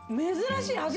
珍しい。